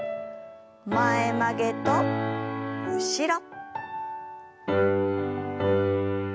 前曲げと後ろ。